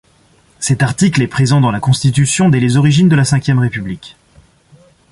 Cet article est présent dans la Constitution dès les origines de la V République.